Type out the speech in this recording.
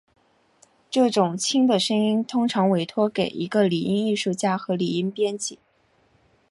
这种轻的声音通常委托给一个拟音艺术家和拟音编辑。